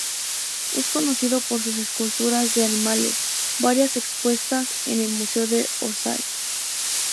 Es conocido por sus esculturas de animales, varias expuestas en el Museo de Orsay.